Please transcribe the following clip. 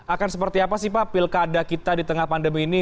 akan seperti apa sih pak pilkada kita di tengah pandemi ini